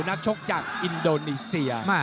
นักชกจากอินโดนีเซีย